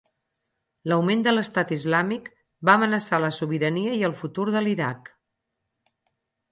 L'augment de l'Estat islàmic va amenaçar la sobirania i el futur de l'Iraq.